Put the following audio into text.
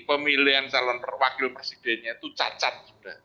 pemilihan calon wakil presidennya itu cacat